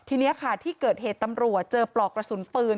ทีนี้ค่ะที่เกิดเหตุตำรวจเจอปลอกกระสุนปืน